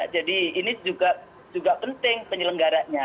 jadi ini juga penting penyelenggaranya